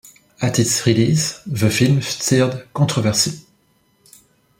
At its release the film stirred controversy.